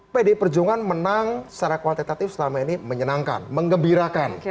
pd perjungan menang secara kualitatif selama ini menyenangkan mengembirakan